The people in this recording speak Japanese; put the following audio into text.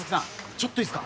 ちょっといいっすか？